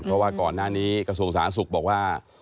เพราะว่าก่อนหน้านี้กระทรวงสาธารณสุขบอกว่า